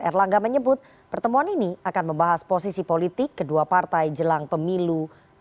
erlangga menyebut pertemuan ini akan membahas posisi politik kedua partai jelang pemilu dua ribu dua puluh